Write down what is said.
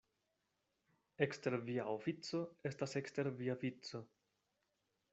Ekster via ofico estas ekster via vico.